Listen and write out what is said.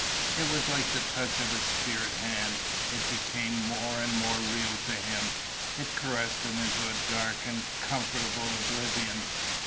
It was like the touch of a spirit hand. It became more and more real to him. It caressed him into a dark and comfortable oblivion.